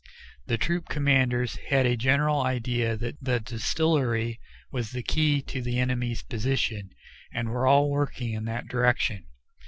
The troop commanders had a general idea that the distillery was the key to the enemy's position, and were all working in that direction.